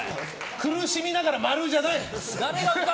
苦しみながら〇じゃない。